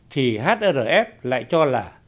thì hrf lại cho là